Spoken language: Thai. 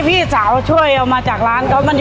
พี่สาวช่วยก็จะเอามาถึงแล้วกับมัน